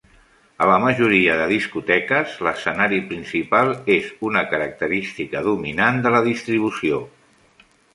A la majoria de discoteques, l'escenari principal és una característica dominant de la distribució.